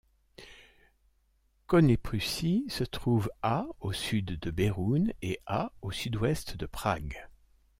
Koněprusy se trouve à au sud de Beroun et à au sud-ouest de Prague.